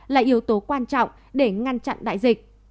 là yếu tố quan trọng để ngăn chặn đại dịch